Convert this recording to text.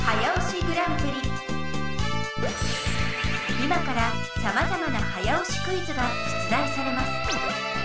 今からさまざまな早押しクイズが出題されます。